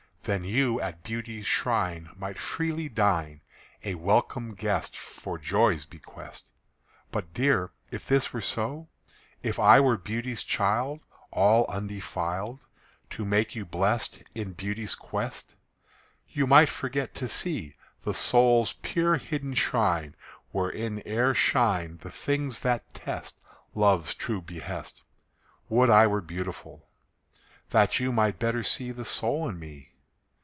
Then you at Beauty's shrine might freely dine, A welcome guest For joy's bequest. But, dear, if this were so, If I were Beauty's child, all undefiled, To make you blest In beauty's quest, You might forget to see The soul's pure hidden shrine wherein e'er shine The things that test Love's true behest. Would I were beautiful, That you might better see the soul in me!